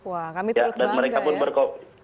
wah kami terutama juga ya